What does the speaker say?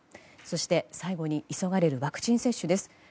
そして、最後に急がれるワクチン接種です。